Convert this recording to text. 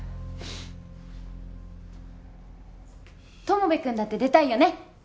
友部くんだって出たいよね？